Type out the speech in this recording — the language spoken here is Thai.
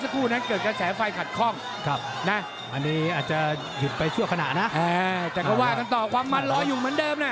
แต่ก็ว่ากันต่อความมันร้อยอยู่เหมือนเดิมนะ